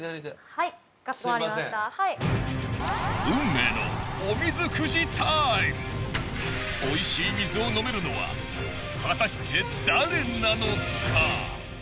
運命のおいしい水を飲めるのは果たして誰なのか？